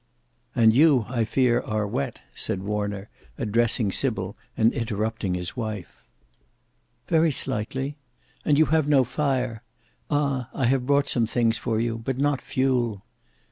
"And you, I fear, are wet," said Warner, addressing Sybil, and interrupting his wife. "Very slightly. And you have no fire. Ah! I have brought some things for you, but not fuel."